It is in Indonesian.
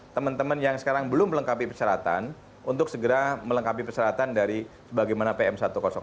teman teman yang sekarang belum melengkapi persyaratan untuk segera melengkapi persyaratan dari bagaimana pm satu ratus delapan